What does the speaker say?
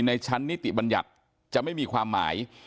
ในชั้นนิติบัญญัติจะไม่มีความหมาย